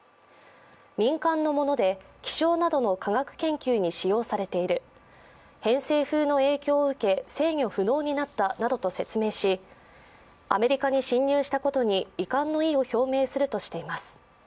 民間のもので、気象などの科学研究に使用されている、偏西風の影響を受け、制御不能になったなどと説明し、アメリカに侵入したことに遺憾の意を表明するなどとしています。